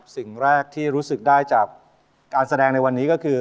สิ่งแรกที่รู้สึกได้จากการแสดงในวันนี้ก็คือ